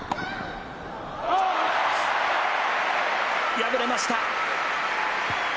敗れました。